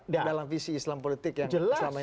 dalam visi islam politik yang selama ini